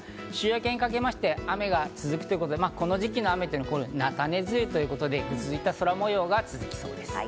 週明けにかけて雨が続くということで、この時期の雨、菜種梅雨ということで、ぐずついた空模様が続きそうです。